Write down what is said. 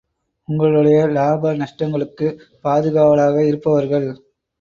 உங்களுடைய இலாப நஷ்டங்களுக்குப் பாதுகாவலாக இருப்பவர்கள்.